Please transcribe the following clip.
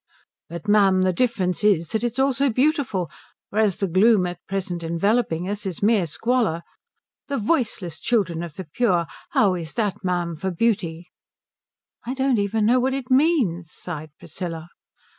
"But ma'am the difference is that it is also beautiful, whereas the gloom at present enveloping us is mere squalor. 'The voiceless children of the Pure ' how is that, ma'am, for beauty?" "I don't even know what it means," sighed Priscilla.